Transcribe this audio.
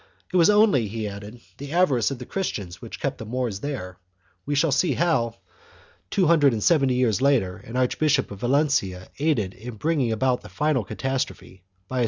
It was only, he added, the avarice of the Christians which kept the Moors there.2 We shall see how, two hundred and seventy years later, an Archbishop of Valencia aided in bringing about the final catastrophe, by a still greater 1 Concil.